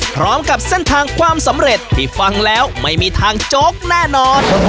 พร้อมกับเส้นทางความสำเร็จที่ฟังแล้วไม่มีทางโจ๊กแน่นอน